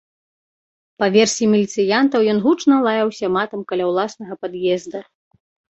Па версіі міліцыянтаў, ён гучна лаяўся матам каля ўласнага пад'езда.